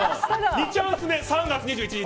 ２チャンス目、３月２１日。